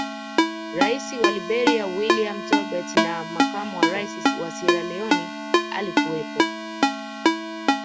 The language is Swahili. Rais wa Liberia William Tolbert na makamu wa Rais wa sierra Leone alikuwepo